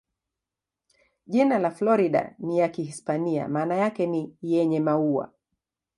Jina la Florida ni ya Kihispania, maana yake ni "yenye maua".